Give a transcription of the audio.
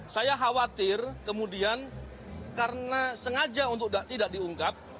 saya khawatir kemudian karena sengaja untuk tidak diungkap